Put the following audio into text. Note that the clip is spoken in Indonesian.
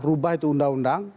rubah itu undang undang